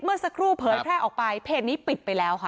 เมื่อสักครู่เผยแพร่ออกไปเพจนี้ปิดไปแล้วค่ะ